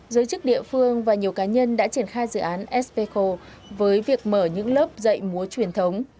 giới chức địa phương và nhiều cá nhân đã triển khai dự án especo với việc mở những lớp dạy múa truyền thống